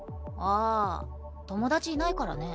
あ友達いないからね。